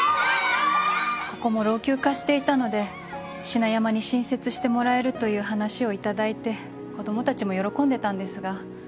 ここも老朽化していたので品山に新設してもらえるという話を頂いて子供たちも喜んでたんですが。